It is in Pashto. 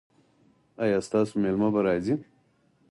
ایا ستاسو میلمه به راځي؟